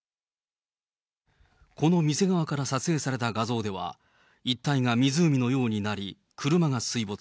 この店側から撮影された画像では、一帯が湖のようになり、車が水没。